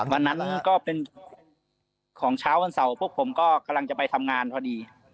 วันนั้นก็เป็นของเช้าวันเสาร์พวกผมก็กำลังจะไปทำงานพอดี